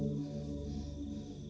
tidak ada yang bisa dihukum